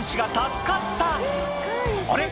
あれ？